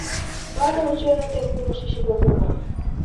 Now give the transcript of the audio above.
Бардык үчөөнө тең кылмыш иши козголгон.